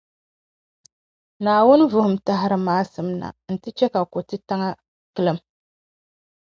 Naawuni vuhim n-tahiri maasim na, nti chɛ ka ko’ titaŋa kilim.